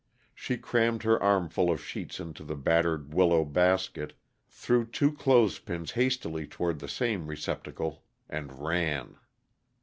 She crammed her armful of sheets into the battered willow basket, threw two clothespins hastily toward the same receptacle, and ran.